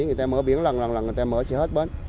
người ta mở biển lần lần lần người ta mở sẽ hết bến